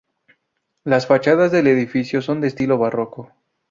Las fachadas del edificio son de estilo barroco.